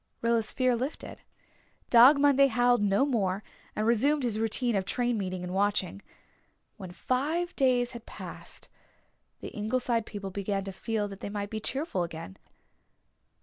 Rilla's fear lifted. Dog Monday howled no more and resumed his routine of train meeting and watching. When five days had passed the Ingleside people began to feel that they might be cheerful again.